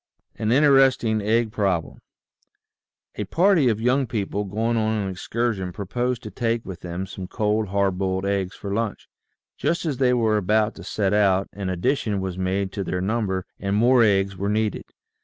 AN INTERESTING EGG PROBLEM PARTY of young people going on an excursion proposed to take with them some cold, hard boiled eggs for lunch. Just as they were about to set out, an addition was made to their number and more eggs were needed.